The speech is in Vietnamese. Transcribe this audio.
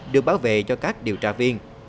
được bảo vệ cho các điều tra viên